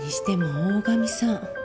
大神さん。